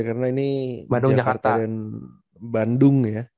karena ini jakarta dan bandung ya